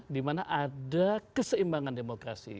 dimana ada keseimbangan demokrasi